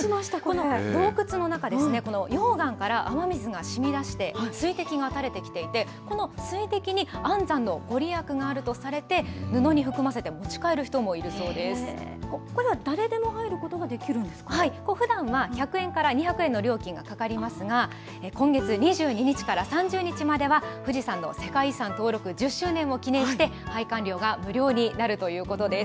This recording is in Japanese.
この洞窟の中ですね、溶岩から雨水がしみだして、水滴がたれてきていて、この水滴に安産の御利益があるとされて、布に含ませここには誰でも入ることがでふだんは１００円から２００円の料金がかかりますが、今月２２日から３０日までは、富士山の世界遺産登録１０周年を記念して、拝観料が無料になるということです。